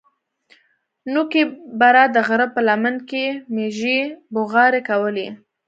نوکي بره د غره په لمن کښې مېږې بوغارې کولې.